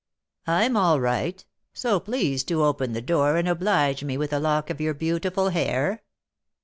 I'm all right; so please to open the door and oblige me with a lock of your beautiful hair.'